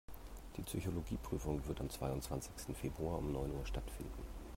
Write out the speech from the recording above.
Die Psychologie-Prüfung wird am zweiundzwanzigsten Februar um neun Uhr stattfinden.